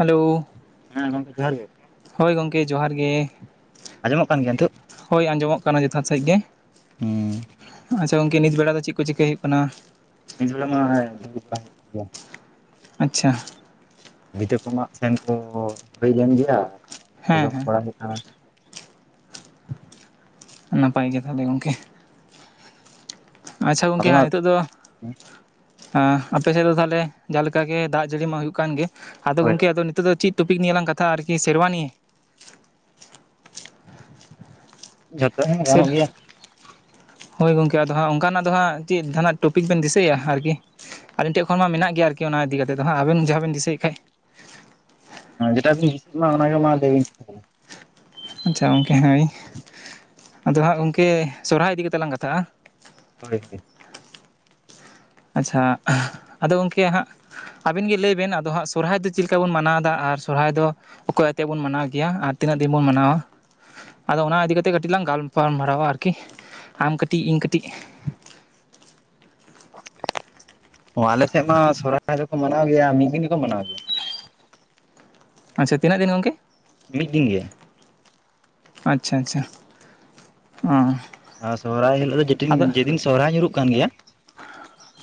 Hello. ᱦᱮᱸ ᱜᱚᱝᱠᱮ ᱡᱚᱦᱟᱨ ᱜᱮ ᱾ ᱦᱳᱭ ᱜᱚᱢᱠᱮ ᱡᱚᱦᱟᱨ ᱜᱮ ᱾ ᱟᱸᱡᱚᱢᱚᱜ ᱠᱟᱱ ᱜᱮᱭᱟ ᱱᱤᱛᱳᱜ? ᱦᱳᱭ ᱟᱸᱡᱚᱢᱚᱜ ᱠᱟᱱᱟ ᱡᱚᱛᱷᱟᱛ ᱥᱟᱸᱦᱤᱡ ᱜᱮ ᱦᱩᱸ ᱾ ᱟᱪᱪᱷᱟ ᱜᱚᱝᱠᱮ ᱱᱤᱛ ᱵᱮᱲᱟ ᱫᱚ ᱪᱮᱫ ᱠᱚ ᱪᱤᱠᱟᱹᱭ ᱦᱩᱭᱩᱜ ᱠᱟᱱᱟ? ᱱᱤᱛ ᱵᱮᱲᱟ ᱢᱟ ᱦᱮ [inaudible] ᱟᱪᱪᱷᱟ‌ ᱾ [unintelligible] ᱠᱚᱢᱟᱜ ᱥᱮᱱ ᱠᱚ ᱦᱩᱭ ᱞᱮᱱ ᱜᱮᱭᱟ ᱦᱮᱸ ᱡᱚᱢᱟᱜ ᱦᱮᱸ ᱠᱚᱲᱟᱣ ᱦᱩᱭᱩᱜ ᱠᱟᱱ ᱱᱟᱯᱟᱭ ᱜᱮ ᱛᱟᱦᱚᱞᱮ ᱜᱚᱝᱠᱮ? ᱟᱪᱪᱷᱟ ᱟᱫᱚ ᱜᱚᱝᱠᱮ ᱦᱟᱸ ᱱᱤᱛᱚᱜ ᱫᱚ ᱦᱟᱸᱜ ᱟᱯᱮ ᱥᱮᱫ ᱫᱚ ᱛᱟᱦᱞᱮ ᱡᱟ ᱞᱮᱠᱟ ᱜᱮ ᱫᱟᱜ ᱡᱟᱹᱲᱤ ᱢᱟ ᱦᱩᱭᱩᱜ ᱠᱟᱱ ᱜᱮ ᱟᱫᱚ ᱦᱳᱭ ᱜᱚᱝᱠᱮ ᱦᱳᱭ ᱟᱫᱚ ᱱᱤᱛᱳᱜ ᱫᱚ ᱪᱮᱫ, ᱴᱚᱯᱤᱠ ᱱᱤᱭᱟᱹᱞᱟᱝ ᱠᱟᱛᱷᱟ ᱟᱨᱠᱤ ᱥᱮᱨᱣᱟ ᱱᱤᱭᱮ᱾ ᱡᱷᱚᱛᱚ ᱦᱮᱸ ᱥᱮᱨ ᱜᱟᱱᱚᱜ ᱜᱮᱭᱟ, ᱦᱳᱭ ᱜᱚᱝᱠᱮ ᱟᱫᱚ ᱦᱟᱸᱜ ᱚᱱᱠᱟᱱᱟᱜ ᱫᱚ ᱦᱟᱸᱜ ᱪᱮᱫ ᱡᱟᱦᱟᱱᱟᱜ ᱴᱚᱯᱤᱠ ᱵᱮᱱ ᱫᱤᱥᱟᱹᱭᱟ ᱟᱨᱠᱤ? ᱟᱹᱞᱤᱧ ᱴᱷᱮᱱ ᱠᱷᱚᱱ ᱢᱟ ᱢᱮᱱᱟᱜ ᱜᱮᱭᱟ ᱟᱨᱠᱤ ᱚᱱᱟ ᱤᱫᱤ ᱠᱟᱛᱮᱫ ᱦᱟᱸᱜ ᱟᱵᱮᱱ ᱡᱟᱦᱟᱸ ᱵᱮᱤᱱ ᱫᱤᱥᱟᱹᱭᱮᱫ ᱠᱷᱟᱡ, ᱡᱮᱴᱟ ᱵᱤᱱ ᱨᱤᱥᱤᱵ ᱢᱟ ᱚᱱᱟ ᱜᱮ ᱢᱟ ᱞᱟᱹᱭᱵᱤᱱ, ᱟᱪᱪᱷᱟ ᱜᱚᱢᱠᱮ ᱦᱮᱭ ᱟᱫᱚ ᱦᱟᱸᱜ ᱜᱚᱢᱠᱮ ᱥᱚᱨᱚᱦᱟᱭ ᱤᱫᱤ ᱠᱟᱛᱮ ᱞᱟᱝ ᱠᱟᱛᱷᱟᱜᱼᱟ, ᱦᱳᱭ ᱦᱳᱭ, ᱟᱪᱪᱷᱟ ᱟᱫᱚ ᱜᱚᱝᱠᱮ ᱦᱟᱸᱜ, ᱟᱵᱤᱱ ᱜᱮ ᱞᱟᱹᱭ ᱵᱮᱱ ᱟᱫᱚ ᱦᱟᱸᱜ ᱥᱚᱨᱦᱟᱭ ᱫᱚ ᱪᱮᱫ ᱞᱮᱠᱟ ᱵᱚᱱ ᱢᱟᱱᱟᱣᱫᱟ ᱟᱨ ᱥᱚᱨᱦᱟᱭ ᱫᱚ? ᱚᱠᱚᱭ ᱟᱛᱮᱫ ᱵᱚᱱ ᱢᱟᱱᱟᱣ ᱜᱮᱭᱟ ᱟᱨ ᱛᱤᱱᱟᱹᱜ ᱫᱤᱱ ᱵᱚᱱ ᱢᱟᱱᱟᱣᱟ? ᱟᱫᱚ ᱚᱱᱟ ᱤᱫᱤ ᱠᱟᱛᱮᱫ ᱠᱟᱹᱴᱤᱡ ᱞᱟᱝ ᱜᱟᱞᱯᱟᱞᱢᱟᱨᱟᱣᱟ ᱟᱨᱠᱤ ᱟᱢ ᱠᱟᱹᱴᱤᱡ ᱤᱧ ᱠᱟᱹᱴᱤᱡ, ᱚ ᱟᱞᱮ ᱥᱮᱫ ᱢᱟ ᱥᱚᱨᱦᱟᱭ ᱫᱚᱠᱚ ᱢᱟᱱᱟᱣ ᱜᱮᱭᱟ ᱢᱤᱫ ᱫᱤᱱ ᱜᱮᱠᱚ ᱢᱟᱱᱟᱣ ᱜᱮᱭᱟ, ᱟᱪᱼᱪᱷᱟ ᱛᱤᱱᱟᱜ ᱫᱤᱱ ᱜᱚᱝᱠᱮ? ᱢᱤᱫ ᱫᱤᱱ ᱜᱮ, ᱟᱪᱪᱷᱟ ᱟᱪᱪᱷᱟ ᱚ, ᱟᱨ ᱥᱚᱦᱚᱨᱟᱭ ᱦᱤᱞᱳᱜ ᱫᱚ ᱟᱫᱚ ᱡᱮᱫᱤᱱ ᱥᱚᱦᱟᱭ ᱧᱩᱨᱩᱜ ᱠᱟᱱ ᱜᱮᱭᱟ,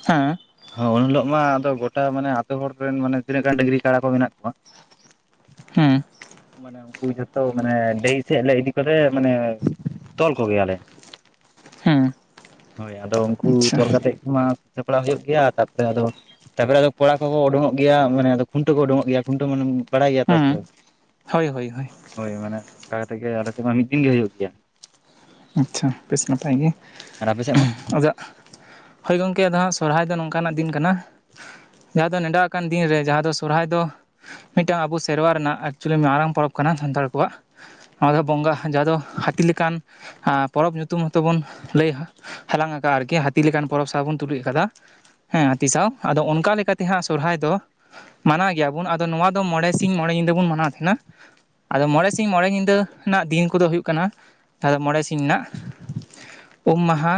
ᱦᱮᱸ, ᱦ ᱩᱱ ᱦᱤᱞᱳᱜ ᱢᱟ ᱟᱫᱚ ᱜᱚᱴᱟ ᱢᱟᱱᱮ ᱟᱛᱳ ᱦᱚᱲ ᱨᱮᱱ ᱢᱟᱱᱮ ᱛᱤᱱᱟᱹᱜ ᱜᱟᱱ ᱰᱟᱹᱝᱨᱤ ᱠᱟᱲᱟ ᱠᱚ ᱢᱮᱱᱟᱜ ᱠᱚᱣᱟ ᱦᱮᱸ, ᱢᱟᱱᱮ ᱩᱱᱠᱩ ᱡᱷᱚᱛᱚ ᱢᱟᱱᱮ ᱰᱟᱦᱤ ᱥᱮᱜ ᱞᱮ ᱤᱫᱤ ᱠᱚᱛᱮ ᱢᱟᱱᱮ, ᱛᱚᱞ ᱠᱚᱜᱮᱭᱟᱞᱮ᱾ ᱦᱮᱸ ᱦᱳᱭ ᱟᱫᱚ ᱩᱱᱠᱩ ᱟᱪᱪᱷᱟ ᱛᱚᱞ ᱠᱟᱛᱮ ᱢᱟ ᱥᱟᱯᱲᱟᱣ ᱦᱩᱭᱩᱜ ᱜᱮᱭᱟ ᱛᱟᱨᱯᱚᱨᱮ ᱟᱫᱚ ᱛᱟᱯᱚᱨᱮ ᱟᱫᱚ ᱠᱚᱲᱟ ᱠᱚᱠᱚ ᱩᱰᱩᱠᱚᱜ ᱜᱮᱭᱟ ᱢᱟᱱᱮᱫᱚ ᱠᱷᱩᱱᱴᱟᱹᱣ ᱠᱚ ᱩᱰᱩᱠᱜ ᱜᱮᱭᱟ ᱠᱷᱩᱱᱴᱟᱹᱣᱟᱱᱮ ᱵᱟᱲᱟᱭ ᱜᱮᱭᱟ ᱛᱚ, ᱦᱮᱸ ᱦᱳᱭ ᱦᱳᱭ ᱦᱳᱭ, ᱦᱳᱭ ᱢᱟᱱᱮ ᱱᱚᱝᱠᱟ ᱠᱟᱛᱮᱜ ᱜᱮ ᱟᱞᱮ ᱥᱮᱫ ᱢᱟ ᱢᱤᱫ ᱫᱤᱱ ᱜᱮ ᱦᱩᱭᱩᱜ ᱜᱮᱭᱟ, ᱟᱪᱪᱷᱟ ᱵᱮᱥ ᱱᱟᱯᱟᱭ ᱜᱮ ᱟᱨ ᱟᱯᱮ ᱥᱮᱫ ᱢᱟ ᱟᱫᱚ, ᱦᱳᱭ ᱜᱚᱝᱠᱮ ᱟᱫᱚ ᱦᱟᱸᱜ ᱥᱚᱨᱚᱦᱦᱟᱭ ᱫᱚ ᱱᱚᱝᱠᱟᱱᱟᱜ ᱫᱤᱱ ᱠᱟᱱᱟ, ᱡᱟᱦᱟᱸ ᱫᱚ ᱱᱮᱰᱟ ᱟᱠᱟᱱ ᱫᱤᱱ ᱨᱮ ᱡᱟᱦᱟᱸ ᱫᱚ ᱥᱚᱨᱦᱟᱭ ᱫᱚ, ᱢᱤᱫᱴᱟᱝ ᱟᱵᱚ ᱥᱮᱨᱣᱟ ᱨᱮᱱᱟᱜ ᱮᱠᱪᱩᱭᱮᱞᱤ ᱢᱟᱨᱟᱝ ᱯᱚᱨᱚᱵᱽ ᱠᱟᱱᱟ ᱥᱟᱱᱛᱟᱲ ᱠᱚᱣᱟᱜ, ᱱᱚᱣᱟ ᱫᱚ ᱵᱚᱸᱜᱟ ᱡᱟᱦᱟᱸ ᱫᱚ ᱦᱟᱹᱛᱤ ᱞᱮᱠᱟᱱ ᱯᱚᱨᱚᱵᱽ ᱧᱩᱛᱩᱢ ᱦᱚᱸᱚᱛᱚ ᱵᱚᱱ ᱞᱟᱹᱭᱟ ᱦᱟᱞᱟᱝ ᱟᱠᱟᱫ ᱟᱨᱠᱤ ᱦᱟᱹᱛᱤ ᱞᱮᱠᱟᱱ ᱯᱚᱨᱚᱵᱽ ᱥᱟ ᱵᱚᱱ ᱛᱩᱞᱩᱡ ᱟᱠᱟᱫᱟ᱾ ᱦᱮᱸ ᱦᱟᱹᱛᱤ ᱥᱟᱶ ᱟᱫᱚ ᱚᱱᱠᱟ ᱞᱮᱠᱟᱛᱮ ᱦᱟᱸᱜ ᱥᱚᱨᱦᱟᱭ ᱫᱚ, ᱢᱟᱱᱟᱣ ᱜᱮᱭᱟᱵᱚᱱ ᱟᱫᱚ ᱱᱚᱣᱟ ᱫᱚ ᱢᱚᱬᱮ ᱥᱤᱧ ᱢᱚᱬᱮ ᱧᱤᱫᱟᱹ ᱵᱚᱱ ᱢᱟᱱᱟᱣ ᱛᱟᱦᱮᱸᱱᱟ, ᱟᱫᱚ ᱢᱚᱬᱮ ᱥᱤᱧ ᱢᱚᱬᱮ ᱧᱤᱫᱟᱹ ᱨᱮᱱᱟᱜ ᱫᱤᱱ ᱠᱚᱫᱚ ᱦᱩᱭᱩᱜ ᱠᱟᱱᱟ, ᱛᱟᱦᱫᱚ ᱢᱚᱬᱮ ᱥᱤᱧ ᱨᱮᱱᱟᱜ ᱩᱢ ᱢᱟᱦᱟ,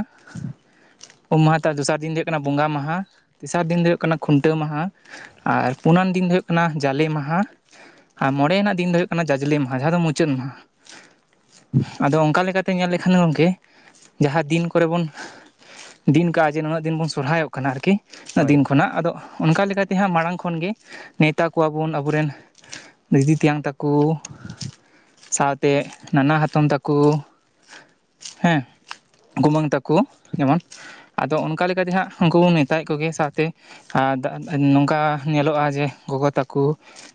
ᱩᱢ ᱢᱟᱦᱟ ᱛᱟᱨ ᱫᱚᱥᱟᱨ ᱫᱤᱱ ᱫᱚ ᱦᱩᱭᱩᱜ ᱠᱟᱱᱟ ᱵᱚᱸᱜᱟ ᱢᱟᱦᱟ ᱛᱮᱥᱟᱨ ᱫᱤᱱ ᱫᱚ ᱦᱩᱭᱩᱜ ᱠᱟᱱᱟ ᱠᱷᱩᱱᱴᱟᱹᱣ ᱢᱟᱦᱟ ᱟᱨ ᱯᱩᱱᱟᱱ ᱫᱤᱱ ᱫᱚ ᱦᱩᱭᱩᱜ ᱠᱟᱱᱟ ᱡᱟᱞᱮ ᱢᱟᱦᱟ, ᱟᱨ ᱢᱚᱬᱮᱱᱟᱜ ᱫᱤᱱ ᱫᱚ ᱦᱩᱭᱩᱜ ᱠᱟᱱᱟ ᱡᱟᱡᱽᱞᱮ ᱢᱟᱦᱟ ᱡᱟᱦᱟᱸ ᱫᱚ ᱢᱩᱪᱟᱹᱫ ᱢᱟᱦᱟ, ᱟᱫᱚ ᱚᱱᱠᱟ ᱞᱮᱠᱟᱛᱮ ᱧᱮᱞ ᱞᱮᱠᱷᱟᱱ ᱜᱚᱝᱠᱮ ᱡᱟᱦᱟᱸ ᱫᱤᱱ ᱠᱚᱨᱮ ᱵᱚᱱ, ᱫᱤᱱ ᱠᱟᱜᱼᱟ ᱡᱮ ᱱᱩᱱᱟᱹᱜ ᱫᱤᱱ ᱵᱚᱱ ᱥᱚᱨᱦᱟᱭᱚᱜ ᱠᱟᱱᱟ ᱟᱨᱠᱤ ᱩᱱᱟᱹᱜ ᱦᱳᱭ ᱫᱤᱱ ᱦᱳᱭ ᱠᱷᱚᱱᱟᱜ ᱟᱫᱚ, ᱚᱱᱠᱟ ᱞᱮᱠᱟᱛᱮ ᱦᱟᱸᱜ ᱢᱟᱲᱟᱝ ᱠᱷᱚᱱᱜᱮ ᱱᱮᱣᱛᱟ ᱠᱚᱣᱟ ᱵᱚᱱ ᱟᱵᱚᱨᱮᱱ, ᱫᱤᱫᱤ ᱛᱮᱭᱟᱝ ᱛᱟᱠᱚ ᱥᱟᱶᱛᱮ ᱱᱟᱱᱟ ᱦᱟᱛᱚᱢ ᱛᱟᱠᱚ᱾ ᱠᱩ ᱦᱮᱸ ᱜᱩᱢᱟᱹᱝ ᱛᱟᱠᱚ ᱡᱮᱢᱚᱱ, ᱟᱫᱚ ᱚᱱᱠᱟ ᱞᱮᱠᱟᱛᱮ ᱦᱟᱸᱜ ᱩᱱᱠᱩ ᱵᱚᱱ ᱱᱮᱛᱟᱭᱮᱫ ᱠᱚᱜᱮᱭᱟ ᱥᱟᱶᱛᱮ, ᱟᱨ ᱫᱟᱜ ᱱᱚᱝᱠᱟ ᱧᱮᱞᱚᱜ-ᱟ ᱡᱮ ᱜᱚᱜᱚ ᱛᱟᱠᱩ,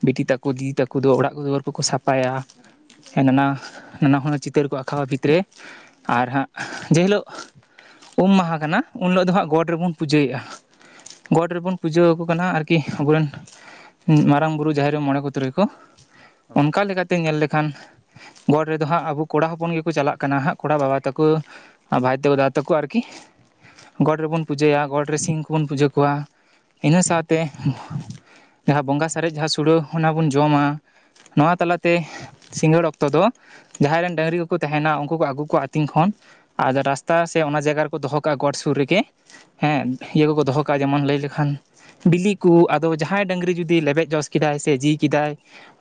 ᱵᱤᱴᱤ ᱛᱟᱠᱚ, ᱫᱤᱫᱤ ᱛᱟᱠᱚ ᱫᱚ ᱚᱲᱟᱜ ᱫᱩᱣᱟᱹᱨ ᱠᱚᱠᱚ ᱥᱟᱯᱷᱟᱭᱟ ᱦᱮᱸ ᱱᱟᱱᱟ-ᱦᱩᱱᱟᱹᱨ ᱪᱤ- ᱛᱟᱹᱨ ᱠᱚ ᱟᱸᱠᱷᱟᱣᱟ ᱵᱷᱤᱛ ᱨᱮ ᱟᱨ ᱦᱟᱸᱜ ᱡᱮ ᱦᱤᱞᱳᱜ, ᱩᱢ ᱢᱟᱦᱟ ᱠᱟᱱᱟ ᱩᱱ ᱦᱤᱞᱚᱜ ᱫᱚ ᱦᱟᱸᱜ ᱜᱚᱰ ᱨᱮᱵᱚᱱ ᱯᱩᱡᱟᱹᱭ ᱮᱫ-ᱟ, ᱜᱚᱴ ᱨᱮᱵᱚᱱ ᱯᱩᱡᱟᱹ ᱟᱠᱚ ᱠᱟᱱᱟ ᱟᱨᱠᱤ ᱟᱵᱚᱨᱮᱱ ᱢᱟᱨᱟᱝ ᱵᱩᱨᱩ, ᱡᱟᱦᱮᱨ ᱟᱭᱩ, ᱢᱚᱬᱮ ᱠᱚ ᱛᱩᱨᱩᱭ ᱠᱚ᱾ ᱚᱱᱠᱟ ᱞᱮᱠᱟᱛᱮ ᱧᱮᱞ ᱞᱮᱠᱷᱟᱱ ᱜᱚᱴ ᱨᱮᱫᱚ ᱦᱟᱸᱜ ᱟᱵᱩ ᱠᱚᱲᱟ ᱦᱚᱯᱚᱱ ᱜᱮᱠᱚ ᱪᱟᱞᱟᱜ ᱠᱟᱱᱟ ᱦᱟᱸᱜ ᱠᱚᱲᱟ ᱵᱟᱵᱟ ᱛᱟᱠᱚ ᱵᱷᱟᱹᱭ ᱛᱟᱠᱚ, ᱫᱟᱫᱟ ᱛᱟᱠᱚ ᱟᱨᱠᱤ᱾ ᱜᱚᱰ ᱨᱮᱵᱚᱱ ᱯᱩᱡᱟᱹᱭᱟ ᱜᱚᱰ ᱨᱮ ᱥᱤ ᱠᱚᱵᱚᱱ ᱯᱩᱡᱟᱹ ᱠᱚᱣᱟ᱾ ᱤᱱᱟᱹ ᱥᱟᱶᱛᱮ ᱡᱟᱦᱟᱸ ᱵᱚᱸᱜᱟ ᱥᱟᱨᱮᱡ ᱡᱟᱦᱟᱸ ᱥᱩᱲᱟᱹ ᱚᱱᱟ ᱵᱚᱱ ᱡᱚᱢᱟ᱾ ᱱᱚᱣᱟ ᱛᱟᱞᱟᱛᱮ ᱥᱤᱸᱜᱟᱹᱲ ᱚᱠᱛᱚ ᱫᱚ ᱡᱟᱦᱟᱸᱭ ᱨᱮᱱ ᱰᱟᱹᱝᱨᱤ ᱠᱚᱠᱚ ᱛᱟᱦᱮᱱᱟ ᱩᱱᱠᱩ ᱠᱚ ᱟᱹᱜᱩ ᱠᱚᱣᱟ ᱟᱹᱛᱤᱧ ᱠᱷᱚᱱ᱾ ᱟᱨ ᱨᱟᱥᱛᱟ ᱥᱮ ᱚᱱᱟ ᱡᱟᱭᱜᱟ ᱨᱮᱠᱚ ᱫᱚᱦᱚ ᱠᱟᱜ-ᱟ ᱜᱚᱴ ᱥᱩᱨ ᱨᱮᱜᱮ ᱦᱮᱸ ᱤᱭᱟᱹ ᱠᱚᱠᱚ ᱫᱚᱦᱚ ᱠᱟᱜ-ᱟ ᱡᱮᱢᱚᱱ ᱞᱟᱹᱭ ᱞᱮᱠᱷᱟᱱ ᱵᱤᱞᱤ ᱠᱩ ᱟᱫᱚ ᱡᱟᱦᱟᱸᱭ ᱰᱟᱹᱝᱨᱤ ᱡᱩᱫᱤ ᱞᱮᱵᱮᱫ ᱡᱚᱥ ᱠᱮᱫᱟᱭ ᱥᱮ ᱡᱤ ᱠᱮᱫᱟᱭ,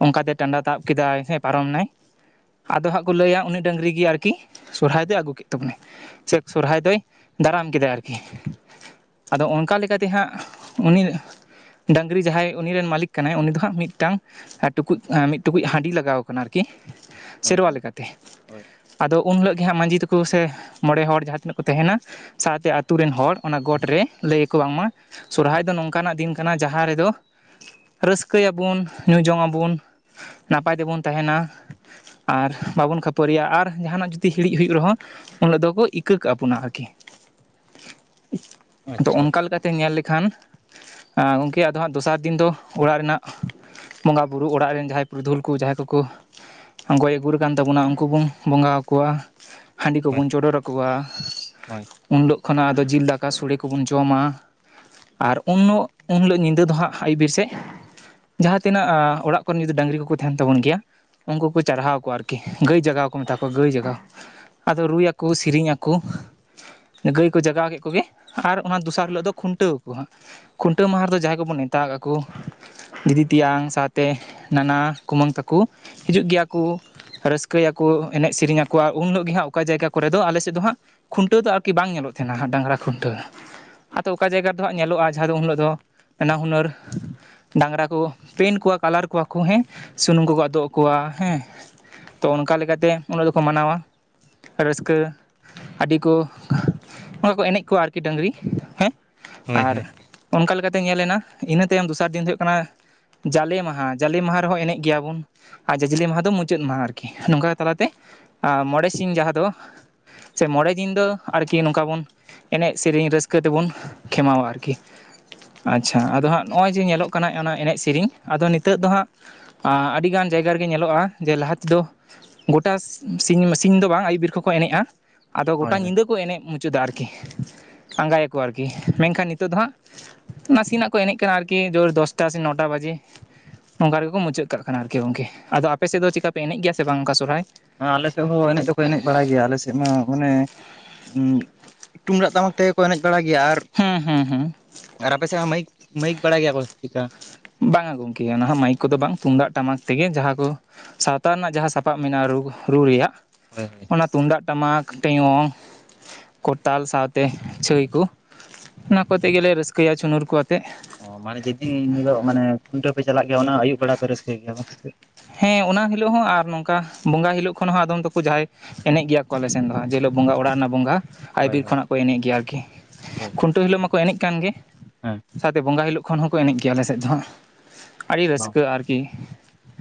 ᱚᱱᱠᱟᱛᱮ ᱴᱟᱸᱰᱟ ᱛᱟᱵ ᱠᱮᱫᱟᱭ ᱦᱮᱸ ᱯᱟᱨᱚᱢ ᱮᱱᱟᱭ ᱟᱫᱚ ᱦᱟᱸᱜ ᱠᱚ ᱞᱟᱹᱭᱟ ᱩᱱᱤ ᱰᱟᱹᱝᱨᱤ ᱜᱮ ᱟᱨᱠᱤ ᱥᱚᱨᱦᱟᱭ ᱫᱚᱭ ᱟᱹᱜᱩ ᱠᱮᱫ ᱛᱟᱵᱚᱱᱟ᱾ ᱥᱮ ᱥᱚᱨᱦᱟᱭ ᱫᱚᱭ ᱫᱟᱨᱟᱢ ᱠᱮᱫᱟ ᱟᱨᱠᱤ᱾ ᱟᱫᱚ ᱚᱱᱠᱟ ᱞᱮᱠᱟᱛᱮ ᱦᱟᱸᱜ ᱩᱱᱤ ᱰᱟᱹᱝᱨᱤ ᱡᱟᱦᱟᱸᱭ ᱩᱱᱤ ᱨᱮᱱ ᱢᱟᱞᱤᱠ ᱠᱟᱱᱟᱭ᱾ ᱩᱱᱤ ᱫᱚ ᱦᱟᱸᱜ ᱢᱤᱫᱴᱟᱝ ᱴᱩᱠᱩᱡ ᱢᱤᱫ ᱴᱩᱠᱩᱡ ᱦᱟᱺᱰᱤ ᱞᱟᱜᱟᱣ ᱠᱚᱨᱮᱱ ᱟᱨᱠᱤ ᱦᱳᱭ ᱥᱮᱨᱣᱟ ᱦᱳᱭ ᱞᱮᱠᱟᱛᱮ᱾ ᱦᱳᱭ ᱟᱫᱚ ᱩᱱ ᱦᱤᱞᱳᱜ ᱜᱮ ᱦᱟᱸᱜ ᱢᱟᱹᱡᱤ ᱛᱟᱠᱚ ᱥᱮ ᱢᱚᱬᱮ ᱦᱚᱲ ᱡᱟᱦᱟ ᱛᱤᱱᱟᱹᱜ ᱠᱚ ᱛᱟᱦᱮᱱᱟ ᱥᱟᱶᱛᱮ ᱟᱹᱛᱩ ᱨᱮᱱ ᱦᱚᱲ ᱚᱱᱟ ᱜᱚᱴ ᱨᱮ ᱞᱟᱹᱭ ᱟᱠᱚ ᱵᱟᱝᱢᱟ ᱥᱚᱨᱦᱟᱭ ᱫᱚ ᱱᱚᱝᱠᱟ ᱱᱟᱜ ᱫᱤᱱ ᱠᱟᱱᱟ ᱡᱟᱦᱟᱸ ᱨᱮᱫᱚ ᱨᱟᱹᱥᱠᱟᱹᱭ ᱟᱵᱚᱱ ᱧᱩ ᱡᱚᱝ ᱟᱵᱚᱱ ᱱᱟᱯᱟᱭ ᱛᱮᱵᱚᱱ ᱛᱟᱦᱮᱱᱟ᱾ ᱟᱨ ᱵᱟᱵᱚᱱ ᱠᱷᱟᱹᱯᱟᱹᱨᱤ-ᱟ ᱟᱨ ᱡᱟᱦᱟᱱᱟᱜ ᱡᱩᱫᱤ ᱦᱤᱲᱤᱡ ᱦᱩᱭᱩᱜ ᱨᱮᱦᱚᱸ ᱩᱱ ᱦᱤᱞᱚᱜ ᱫᱚᱠᱚ ᱤᱠᱟᱹ ᱠᱟᱵᱚᱱᱟ ᱟᱨᱠᱤ᱾ ᱟᱫᱚ ᱟᱪᱪᱷᱟ ᱚᱱᱠᱟᱮ ᱟᱪᱪᱷᱟ ᱞᱮᱠᱟᱛᱮ ᱧᱮᱞ ᱞᱮᱠᱷᱟᱱ ᱟᱸ ᱜᱚᱝᱠᱮ ᱟᱫᱚ ᱦᱟᱸᱜ ᱫᱚᱥᱟᱨ ᱫᱤᱱ ᱫᱚ ᱚᱲᱟᱜ ᱨᱮᱱᱟᱜ ᱵᱚᱸᱜᱟ ᱵᱩᱨᱩ ᱚᱲᱟᱜ ᱨᱮᱱ ᱡᱟᱦᱟᱸᱭ ᱯᱩᱨᱩᱫᱷᱩᱞ ᱠᱚ ᱡᱟᱦᱟᱸᱭ ᱠᱚᱠᱚ ᱟᱸ ᱜᱚᱭ-ᱜᱩᱨ ᱠᱟᱱ ᱛᱟᱵᱚᱱᱟ ᱩᱱᱠᱩ ᱵᱚᱱ ᱵᱚᱸᱜᱟ ᱟᱠᱚᱣᱟ ᱦᱟᱺᱰᱤ ᱦᱳᱭ ᱠᱚᱵᱚᱱ ᱪᱚᱰᱚᱨ ᱟᱠᱚᱣᱟ᱾ ᱦᱳᱭ ᱩᱱ ᱦᱤᱞᱳᱜ ᱠᱷᱚᱱᱟᱜ ᱟᱫᱚ ᱡᱤᱞ ᱫᱟᱠᱟ ᱥᱚᱲᱮ ᱠᱚᱵᱚᱱ ᱡᱚᱢᱟ᱾ ᱟᱨ ᱩᱱᱩᱜ ᱩᱱ ᱦᱤᱞᱳᱜ ᱧᱤᱫᱟᱹ ᱫᱚ ᱦᱟᱸᱜ ᱟᱹᱭᱩᱵ ᱵᱤᱨ ᱥᱮᱜ ᱡᱟᱦᱟᱸ ᱛᱤᱱᱟᱹᱜ ᱚᱲᱟᱜ ᱠᱚᱨᱮᱱ ᱡᱩᱫᱤ ᱰᱟᱹᱝᱨᱤ ᱠᱚᱠᱚ ᱛᱟᱦᱮᱱ ᱛᱟᱵᱚᱱ ᱜᱮᱭᱟ ᱩᱱᱠᱩ ᱠᱚᱠᱚ ᱪᱟᱨᱦᱟᱣ ᱠᱚᱣᱟ ᱟᱨ- ᱠᱤ ᱜᱟᱹᱭ ᱡᱟᱜᱟᱣ ᱠᱚ ᱢᱮᱛᱟ ᱠᱚᱣᱟ ᱜᱟᱹᱭ ᱡᱟᱜᱟᱣ ᱟᱫᱚ ᱨᱩᱭᱟ ᱠᱩ ᱥᱮᱨᱮᱧ ᱟᱠᱩ᱾ ᱜᱟᱹᱭ ᱠᱚ ᱡᱟᱜᱟᱣ ᱠᱮᱫ ᱠᱚᱜᱮ ᱟᱨ ᱚᱱᱟ ᱫᱚᱥᱟᱨ ᱦᱤᱞᱳᱜ ᱫᱚ ᱠᱷᱩᱱᱴᱟᱹᱣ ᱟᱠᱚ ᱦᱟᱸᱜ᱾ ᱠᱷᱩᱱᱴᱟᱹᱣ ᱢᱟᱦᱟ ᱨᱮᱫᱚ ᱡᱟᱦᱟᱸᱭ ᱠᱚᱵᱚᱱ ᱱᱮᱛᱟ ᱟᱠᱟᱫ ᱠᱩ ᱫᱤᱫᱤ, ᱛᱮᱭᱟᱝ ᱥᱟᱶᱛᱮ ᱱᱟᱱᱟ, ᱠᱩᱢᱟᱹᱝ ᱛᱟᱠᱚ ᱦᱤᱡᱩᱜ ᱜᱮᱭᱟ ᱠᱩ᱾ ᱨᱟᱹᱥᱠᱟᱹᱭ ᱟᱠᱩ ᱮᱱᱮᱡ, ᱥᱮᱨᱮᱧ ᱟᱠᱩᱭᱟᱜ ᱩᱱ ᱦᱤᱞᱳᱜ ᱜᱮ ᱦᱟᱸᱜ ᱚᱠᱟ ᱡᱟᱭᱜᱟ ᱠᱚᱨᱮ ᱫᱚ ᱟᱞᱮ ᱥᱮᱫ ᱫᱚ ᱦᱟᱸᱜ ᱠᱷᱩᱱᱴᱟᱹᱣ ᱫᱚ ᱟᱨᱠᱤ ᱵᱟᱝ ᱧᱮᱞᱚᱜ ᱛᱟᱦᱮᱱᱟ ᱰᱟᱹᱝᱨᱟ ᱠᱷᱩᱱᱴᱟᱹᱣ ᱟᱫᱚ ᱚᱠᱟ ᱡᱟᱭᱜᱟ ᱨᱮᱫᱚ ᱦᱟᱸᱜ ᱧᱮᱞᱚᱜ-ᱟ ᱡᱟᱦᱟ ᱫᱚ ᱩᱱ ᱦᱤᱞᱳᱜ ᱫᱚ ᱱᱟᱱᱟ ᱦᱩᱱᱟᱹᱨ ᱰᱟᱹᱝᱨᱟ ᱠᱚ ᱯᱮᱱ ᱠᱚᱣᱟ ᱠᱟᱞᱟᱨ ᱠᱚᱣᱟ ᱠᱚ ᱦᱮᱸ ᱥᱩᱱᱩᱢ ᱠᱚᱠᱚ ᱟᱫᱚᱜ ᱟᱠᱚᱣᱟ ᱦᱮᱸ᱾ ᱛᱚ ᱚᱱᱠᱟ ᱞᱮᱠᱟᱛᱮ ᱩᱱᱟᱹᱜ ᱫᱚᱠᱚ ᱢᱟᱱᱟᱣᱟ᱾ ᱨᱟᱹᱥᱠᱟᱹ ᱟᱰᱤ ᱠᱩ ᱚᱱᱠᱟ ᱠᱚ ᱮᱱᱮᱡ ᱠᱚᱣᱟ ᱟᱨᱠᱤ ᱰᱟᱹᱝᱨᱤ ᱦᱮᱸ᱾ ᱦᱳᱭ ᱟᱨ ᱦᱳᱭ ᱚᱱᱠᱟ ᱞᱮᱠᱟᱛᱮ ᱧᱮᱞᱮᱱᱟ ᱤᱱᱟᱹ ᱛᱟᱭᱚᱢ ᱫᱚᱥᱟᱨ ᱫᱤᱱ ᱫᱚ ᱦᱩᱭᱩᱜ ᱠᱟᱱᱟ᱾ ᱡᱟᱞᱮ ᱢᱟᱦᱟ ᱡᱟᱞᱮ ᱢᱟᱦᱟ ᱨᱮᱦᱚ ᱮᱱᱮᱡ ᱜᱮᱭᱟ ᱵᱚᱱ ᱟᱨ ᱡᱟᱡᱞᱮ ᱢᱟᱦᱟ ᱫᱚ ᱢᱩ ᱪᱟᱹᱫ ᱢᱟᱦᱟ ᱟᱨᱠᱤ ᱱᱚᱝᱠᱟ ᱛᱟᱞᱟᱛᱮ ᱢᱚᱬᱮ ᱥᱤᱧ ᱡᱟᱦᱟ ᱫᱚ᱾ ᱥᱮ ᱢᱚᱬᱮ ᱫᱤᱱ ᱫᱚ ᱟᱨᱠᱤ ᱱᱚᱝᱠᱟ ᱵᱚᱱ᱾ ᱮᱱᱮᱡ ᱥᱮᱨᱤᱧ ᱨᱟᱹᱥᱠᱟᱹ ᱛᱮᱵᱚᱱ ᱠᱷᱮᱢᱟᱣᱟ ᱟᱨᱠᱤ᱾ ᱟᱪᱪᱷᱟ ᱟᱫᱚ ᱦᱟᱸᱜ ᱱᱚᱜ-ᱚᱭ ᱡᱮ ᱧᱮᱞᱚᱜ ᱠᱟᱱᱟ ᱚᱱᱟ ᱮᱱᱮᱡ ᱥᱤᱨᱤᱧ ᱟᱫᱚ ᱱᱤᱛᱚᱜ ᱫᱚ ᱦᱟᱸᱜ᱾ ᱟ ᱟᱹᱰᱤᱜᱟᱱ ᱡᱟᱭᱜᱟ ᱨᱤᱜᱤ ᱧᱮᱞᱚᱜ-ᱟ᱾ ᱡᱮ ᱞᱟᱦᱟ ᱛᱮᱫᱚ ᱜᱚᱴᱟ ᱥᱤᱧ ᱥᱤᱧ ᱫᱚ ᱵᱟᱝ ᱟᱭᱩᱵ ᱵᱤᱨ ᱠᱷᱚᱜ ᱠᱚ ᱮᱱᱮᱡ-ᱟ ᱟᱫᱚ ᱜᱚᱴᱟ ᱦᱳᱭ ᱦᱳᱭ ᱧᱤᱫᱟᱹ᱾ ᱠᱩ ᱮᱱᱮᱡ ᱢᱩᱪᱟᱹᱫᱟ ᱟᱨᱠᱤ ᱟᱸᱜᱟᱭᱟᱠᱩ ᱟᱨᱠᱤ ᱢᱮᱱᱠᱷᱟᱱ ᱱᱤᱛᱚᱜ ᱫᱚ ᱦᱟᱸᱜ᱾ ᱱᱟᱥᱮᱱᱟᱜ ᱠᱚ ᱮᱱᱮᱡ ᱠᱟᱱᱟ ᱟᱨᱠᱤ ᱡᱳᱨ ᱫᱚᱥᱴᱟ ᱥᱮ ᱱᱚᱴᱟ ᱵᱟᱡᱤ᱾ ᱚᱝᱠᱟ ᱨᱮ ᱜᱮᱠᱚ ᱢᱩᱪᱟᱹᱜ ᱠᱟᱜ ᱠᱟᱱᱟ ᱟᱨᱠᱤ ᱜᱚᱝᱠᱮ ᱟᱫᱚ ᱟᱯᱮ ᱥᱮᱜ ᱫᱚ ᱪᱮᱠᱟ ᱯᱮ ᱮᱱᱮᱡ ᱜᱮᱭᱟ ᱥᱮ ᱵᱟᱝ ᱚᱝᱠᱟ ᱥᱚᱨᱦᱟᱭ᱾ ᱟᱞᱮ ᱥᱮᱜ ᱦᱚᱸ ᱮᱱᱮᱡ ᱫᱚᱠᱚ ᱮᱱᱮᱡ ᱵᱟᱲᱟᱭ ᱜᱮᱭᱟ ᱟᱞᱮ ᱥᱮᱜ ᱢᱟ ᱢᱟᱱᱮ ᱛᱩᱢᱫᱟᱜ ᱴᱟᱢᱟᱠ ᱛᱮᱜᱮ ᱠᱚ ᱮᱱᱮᱡ ᱵᱟᱲᱟᱭ ᱜᱮᱭᱟ ᱟᱨ ᱦᱩᱸ ᱦᱩᱸ ᱦᱩᱸ᱾ ᱟᱨ ᱟᱯᱮ ᱥᱮᱜ ᱦᱚᱸ ᱢᱟᱭᱤᱠ ᱢᱟᱹᱭᱤᱠ ᱵᱟᱲᱟ ᱜᱮᱭᱟ ᱠᱚ ᱪᱮᱠᱟ ᱵᱟᱝ-ᱟ ᱜᱚᱝᱠᱮ ᱚᱱᱟ ᱦᱚ ᱢᱟᱭᱤᱠ ᱠᱚᱫᱚ ᱵᱟᱝ ᱛᱩᱢᱫᱟᱜ ᱴᱟᱢᱟᱠ ᱛᱮᱜᱮ ᱡᱟᱦᱟᱸ ᱠᱩ ᱥᱟᱶᱛᱟ ᱨᱮᱱᱟᱜ ᱡᱟᱦᱟᱸ ᱥᱟᱯᱟᱵ ᱢᱮᱱᱟᱜ-ᱟ ᱨᱩ ᱨᱩ ᱨᱮᱭᱟᱜ ᱦᱳᱭ ᱦᱳᱭ᱾ ᱚᱱᱟ ᱛᱩᱢᱫᱟᱜ ᱴᱟᱢᱟᱠ ᱴᱮᱭᱚᱝ᱾ ᱠᱚᱨᱛᱟᱞ ᱥᱟᱶᱛᱮ ᱪᱷᱟᱹᱭ ᱠᱩ ᱚᱱᱟ ᱠᱚᱛᱮ ᱜᱮᱞᱮ ᱨᱟᱹᱥᱠᱟᱹᱭᱟ ᱪᱷᱩᱱᱩᱨ ᱠᱩ ᱟᱛᱮᱜ᱾ ᱚ ᱢᱟᱱᱮ ᱡᱮᱫᱤᱱ ᱩᱱ ᱦᱤᱞᱳᱜ ᱢᱟᱱᱮ ᱠᱷᱩᱱᱴᱟᱹᱣ ᱯᱮ ᱪᱟᱞᱟᱜ ᱜᱮᱭᱟ ᱚᱱᱟ ᱟᱭᱩᱵ ᱵᱮᱲᱟ ᱯᱮ ᱨᱟᱹᱥᱠᱟᱹᱭ ᱜᱮᱭᱟ ᱵᱟᱝ ᱥᱮ ᱦᱮᱸ ᱚᱱᱟ ᱦᱤᱞᱳᱜ ᱦᱚᱸ ᱟᱨ ᱱᱚᱝᱠᱟ ᱵᱚᱸᱜᱟ ᱦᱤᱞᱳᱜ ᱠᱷᱚᱱ ᱦᱚᱸ ᱟᱫᱚᱢ ᱛᱟᱠᱩ ᱡᱟᱦᱟᱸᱭ ᱮᱱᱮᱡ ᱜᱮᱭᱟ ᱠᱚ ᱟᱞᱮᱥᱮᱱ ᱫᱚ ᱦᱟᱸᱜ ᱡᱮ ᱦᱤᱞᱳᱜ ᱵᱚᱸᱜᱟ ᱚᱲᱟᱜ ᱨᱮᱱᱟᱜ ᱵᱚᱸᱜᱟ ᱟᱭ ᱦᱳᱭ ᱵᱤᱨ ᱦᱳᱭ ᱠᱷᱚᱱᱟᱜ ᱠᱚ ᱮᱱᱮᱜ ᱜᱮᱭᱟ ᱟᱨᱠᱤ ᱠᱷᱩᱱᱴᱟᱹᱣ ᱦᱤᱞᱳᱜ ᱢᱟᱠᱚ ᱮᱱᱮᱡ ᱠᱟᱱ ᱜᱮ ᱦᱮᱸ ᱥᱟᱶᱛᱮ ᱵᱚᱸᱜᱟ ᱦᱤᱞᱳᱜ ᱠᱷᱚᱱ ᱦᱚᱸᱠᱚ ᱮᱱᱮᱡ ᱜᱮᱭᱟ ᱟᱞᱮ ᱥᱮᱫ ᱫᱚ ᱦᱟᱸᱜ ᱟᱰᱤ ᱨᱟᱹᱥᱠᱟᱹ ᱟᱨᱠᱤ᱾